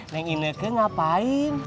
neng ine kek ngapain